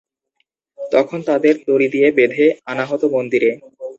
তাদের তখন দড়ি দিয়ে বেঁধে আনা হত মন্দিরে।